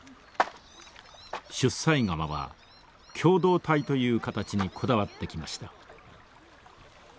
出西窯は共同体という形にこだわってきました。